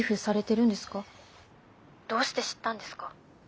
☎どうして知ったんですか？